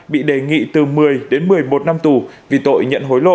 bị đề nghị từ một mươi đến một mươi một năm tù vì tội nhận hối lộ